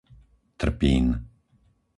Trpín